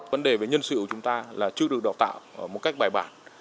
vấn đề về nhân sự của chúng ta là chưa được đào tạo một cách bài bản